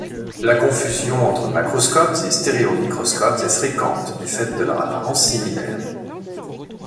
La confusion entre macroscopes et stéréomicroscopes est fréquente du fait de leur apparence similaire.